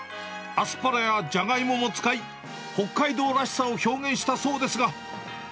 アスパラやジャガイモも使い、北海道らしさを表現したそうですが。